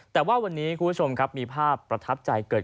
แต่ว่าวันนี้เพื่อสมมุติครับมีภาพประทับใจเกิด